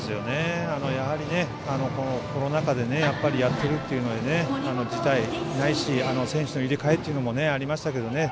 やはり、コロナ禍でやってるっていうので辞退ないし、選手の入れ替えがありましたけどね